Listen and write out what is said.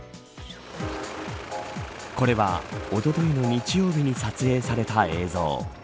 これは、おとといの日曜日に撮影された映像。